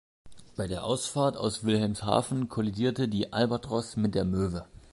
Bei der Ausfahrt aus Wilhelmshaven kollidierte die "Albatros" mit der "Möwe".